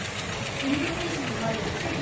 てれび戦士に生まれるきせき